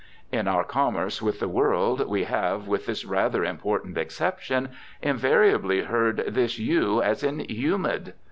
In our commerce with the world we have, with this rather important exception, invariably heard this "u" as in "humid."